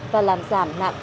và làm giảm nạn